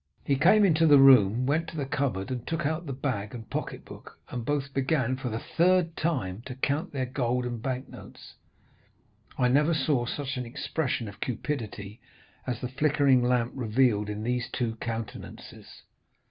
20311m "He came into the room, went to the cupboard, took out the bag and pocket book, and both began, for the third time, to count their gold and bank notes. I never saw such an expression of cupidity as the flickering lamp revealed in those two countenances.